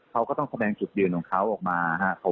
เขาก็ต้องแสดงจุดยืนของเขาออกมาครับ